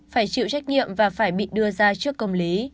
phải chịu trách nhiệm và phải bị đưa ra trước công lý